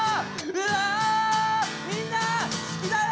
「みんな好きだよ！」